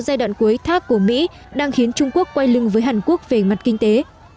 giai đoạn cuối thác của mỹ đang khiến trung quốc quay lưng với hàn quốc về mặt kinh tế